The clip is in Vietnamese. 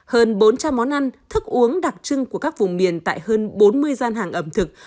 hơn bốn trăm linh món ăn thức uống đặc trưng của các vùng miền tại hơn bốn mươi gian hàng ẩm thực